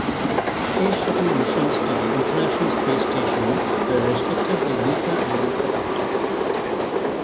Space Shuttle missions to the International Space Station were restricted by beta angle cutout.